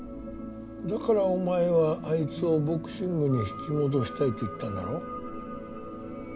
だからお前はあいつをボクシングに引き戻したいと言ったんだろ？